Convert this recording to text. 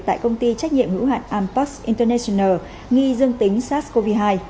tại công ty trách nhiệm ngữ hạn ampax international nghi dương tính sars cov hai